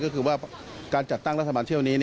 คือคือคือคือคือคือคือคือคือคือ